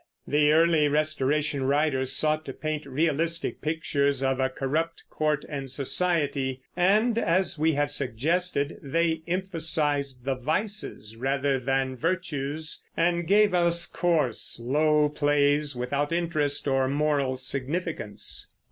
The early Restoration writers sought to paint realistic pictures of a corrupt court and society, and, as we have suggested, they emphasized vices rather than virtues, and gave us coarse, low plays without interest or moral significance.